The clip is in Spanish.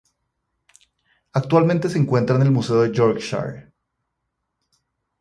Actualmente se encuentra en el museo de Yorkshire.